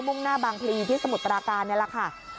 ่งหน้าบางพลีที่สมุทรปราการนี่แหละค่ะ